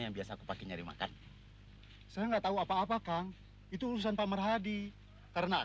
yang biasa aku pakai nyari makan saya enggak tahu apa apa kang itu urusan pak marhadi karena